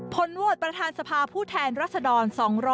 โหวตประธานสภาผู้แทนรัศดร๒๕๖